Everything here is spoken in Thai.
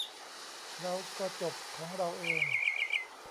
เราก็จบของเราเอง